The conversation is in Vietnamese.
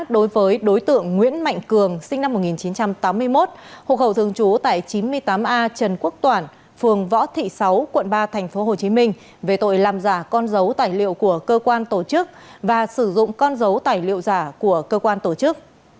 đối với đối tượng nguyễn mạnh cường sinh năm một nghìn chín trăm tám mươi một hộ khẩu thường trú tại chín mươi tám a trần quốc toản phường võ thị sáu quận ba tp hcm về tội làm giả con dấu tài liệu của cơ quan tổ chức và sử dụng con dấu tài liệu giả của cơ quan tổ chức